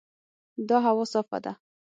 دا هوا صافه ده.